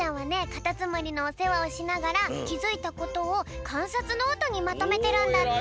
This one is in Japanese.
カタツムリのおせわをしながらきづいたことをかんさつノートにまとめてるんだって。